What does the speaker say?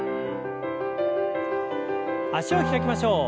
脚を開きましょう。